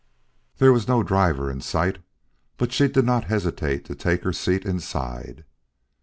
There was no driver in sight, but she did not hesitate to take her seat inside.